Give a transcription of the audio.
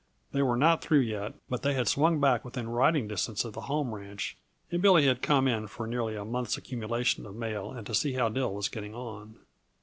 They were not through yet, but they had swung back within riding distance of the home ranch and Billy had come in for nearly a month's accumulation of mail and to see how Dill was getting on.